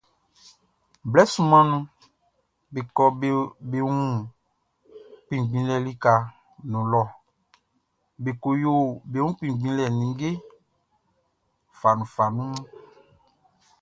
Blɛ sunman nunʼn, be kɔ be wun kpinngbinlɛ likaʼn nun lɔ be ko yo be wun kpinngbinlɛ nin ninnge fanunfanun.